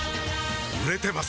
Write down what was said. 売れてます